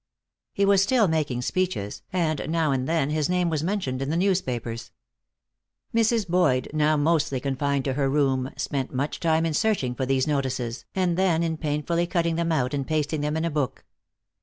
He was still making speeches, and now and then his name was mentioned in the newspapers. Mrs. Boyd, now mostly confined to her room, spent much time in searching for these notices, and then in painfully cutting them out and pasting them in a book.